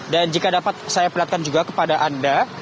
dan jika dapat saya perhatikan juga kepada anda